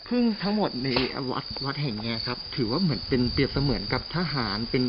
พึ่งทั้งหมดในวัดวัดแห่งเนี้ยครับถือว่าเหมือนเป็นเปรียบเสมือนกับทหารเป็น